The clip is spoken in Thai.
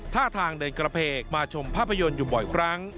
ท่าทางเดินกระเพกมาชมภาพยนตร์อยู่บ่อยครั้ง